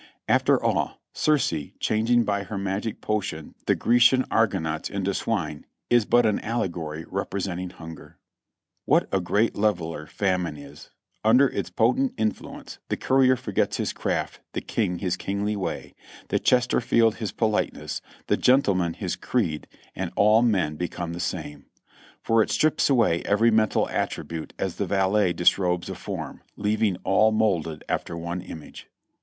After all, Circe, changing by her magic potion the Grecian Argonauts into swine, is but an allegory representing hunger. What a great leveler famine is ; under its potent influence the courier forgets his craft, the king his kingly way, the Chester field his politeness, the gentleman his creed and all men become the same ; for it strips away every mental attribute as the valet disrobes a form, leaving all molded after one image.